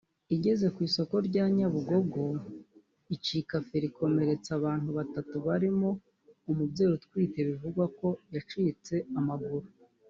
igeze ku isoko rya Nyabugogo icika feri ikomeretsa abantu batatu barimo umubyeyi utwite bivugwa ko yacitse amaguru